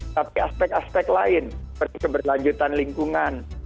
tapi aspek aspek lain seperti keberlanjutan lingkungan